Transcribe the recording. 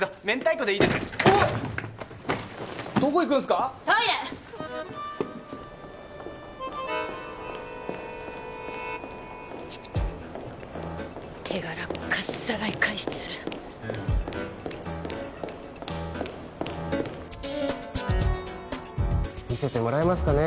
トイレ手柄かっさらい返してやる見せてもらえますかね